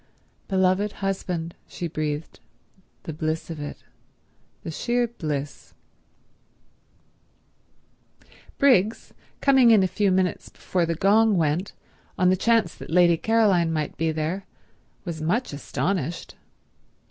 "Beloved husband," she breathed—the bliss of it—the sheer bliss ... Briggs, coming in a few minutes before the gong went on the chance that Lady Caroline might be there, was much astonished.